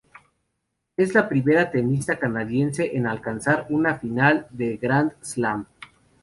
Es la primera tenista canadiense en alcanzar una final de Grand Slam.